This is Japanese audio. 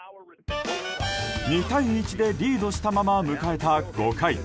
２対１でリードしたまま迎えた５回。